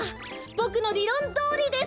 ボクのりろんどおりです！